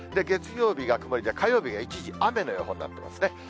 月曜日が曇りで、火曜日が一時雨の予報になってますね。